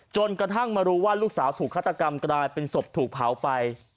จนกระทั่งมารู้ว่าลูกสาวถูกฆาตกรรมกลายเป็นศพถูกเผาไป